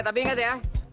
eh tapi ingat ya